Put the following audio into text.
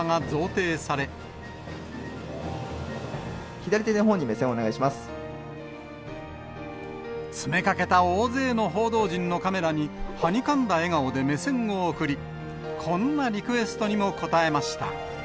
左手のほうに目線をお願いし詰めかけた大勢の報道陣のカメラに、はにかんだ笑顔で目線を送り、こんなリクエストにも応えました。